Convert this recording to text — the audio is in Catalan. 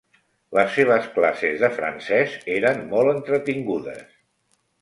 Les seves classes de francès eren molt entretingudes.